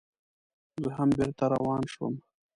زه هم بېرته روان شوم.